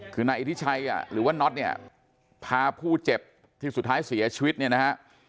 คือนายอิทธิชัยหรือว่าน็อตเนี่ยพาผู้เจ็บที่สุดท้ายเสียชีวิตเนี่ยนะฮะ